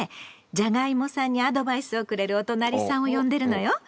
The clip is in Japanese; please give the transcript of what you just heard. じゃがいもさんにアドバイスをくれるおとなりさんを呼んでるのよ。